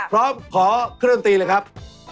พร้อมขอเครื่องดนตรีเลยครับ